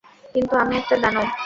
কিন্তু আমি একটা দানব।